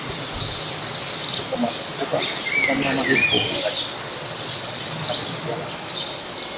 kufa mama eko na droit yaku pyana bintu